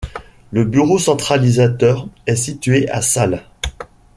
Le bureau centralisateur est situé à Salles.